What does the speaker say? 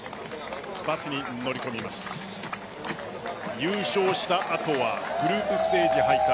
優勝した後はグループステージ敗退。